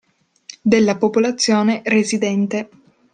Della popolazione residente.